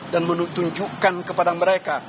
dan menunjukkan kepada mereka